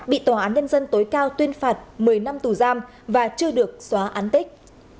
bị tòa án nhân dân tối cao tuyên phạt một mươi năm tù giam và chưa được xóa án tích